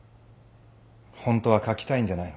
ホントは書きたいんじゃない？